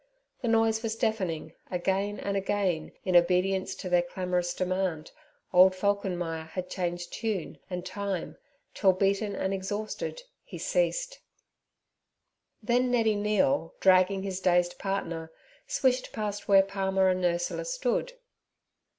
The noise was deafening, again and again, in obedience to their clamorous demand, old Falkenmeyer had changed tune and time, till, beaten and exhausted, he ceased. Then Neddy Neale, dragging his dazed partner, swished past where Palmer and Ursula stood.